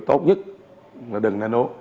tốt nhất là đừng nên uống